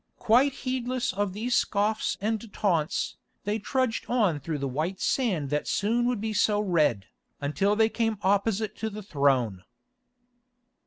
Quite heedless of these scoffs and taunts, they trudged on through the white sand that soon would be so red, until they came opposite to the throne.